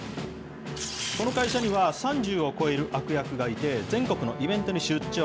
この会社には、３０を超える悪役がいて、全国のイベントに出張。